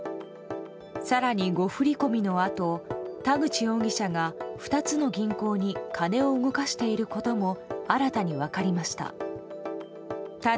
更に、誤振り込みのあと田口容疑者が２つの銀行に金を動かしていることも新たに分かりました。